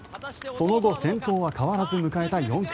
その後、先頭は変わらず迎えた４区。